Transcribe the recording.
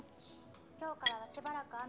今日からはしばらく雨。